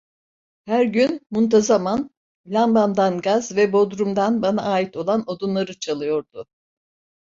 Her gün, muntazaman, lambamdan gaz ve bodrumdan bana ait olan odunları çalıyordu.